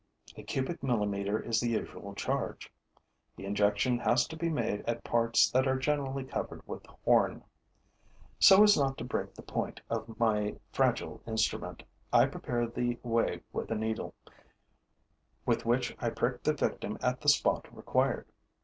A cubic millimeter is the usual charge. The injection has to be made at parts that are generally covered with horn. So as not to break the point of my fragile instrument, I prepare the way with a needle, with which I prick the victim at the spot required.